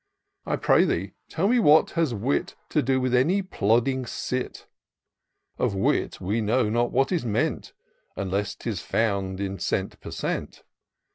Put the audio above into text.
I pray thee tell me what has wit To do with any plodding cit ; Of wit we know not what is meant. Unless 'tis found in cent, per cent.